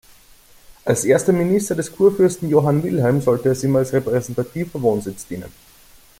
Als erster Minister des Kurfürsten Johann Wilhelm sollte es ihm als repräsentativer Wohnsitz dienen.